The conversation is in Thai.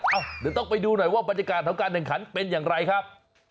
อ่ะเดี๋ยวต้องไปดูหน่อยว่าบรรยากาศของการแข่งขันเป็นอย่างไรครับ